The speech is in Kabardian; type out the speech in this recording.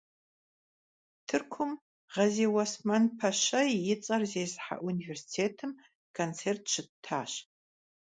Тыркум Гъэзиуэсмэн пэщэ и цӀэр зезыхьэ университетым концерт щыттащ.